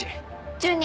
１２。